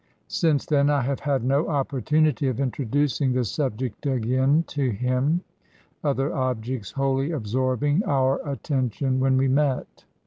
Since then I have had no opportunity of introducing the sub ject again to him, other objects wholly absorbing our attention when we met.